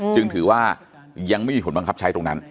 จึงถือว่ายังไม่มีผลบังคับใช้ตรงนั้น